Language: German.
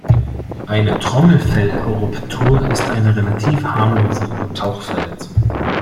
Eine Trommelfellruptur ist eine relativ harmlose Tauchverletzung.